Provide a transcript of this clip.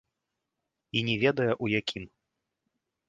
І не ведае, у якім.